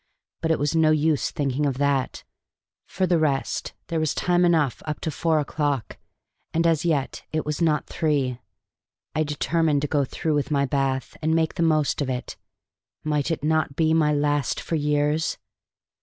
But it was no use thinking of that; for the rest there was time enough up to four o'clock, and as yet it was not three. I determined to go through with my bath and make the most of it. Might it not be my last for years?